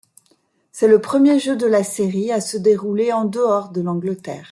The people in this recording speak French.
C'est le premier jeu de la série à se dérouler en-dehors de l'Angleterre.